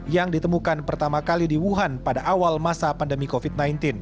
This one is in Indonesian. yang ditemukan pertama kali di wuhan pada awal masa pandemi covid sembilan belas